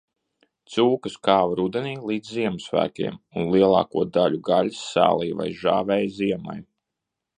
Cūkas kāva rudenī līdz Ziemassvētkiem, un lielāko daļu gaļas sālīja vai žāvēja ziemai.